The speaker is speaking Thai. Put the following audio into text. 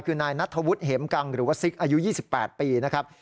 คือนายนัทธวุฒิเห็มกังหรือว่าซิกอายุ๒๘ปีนะครับ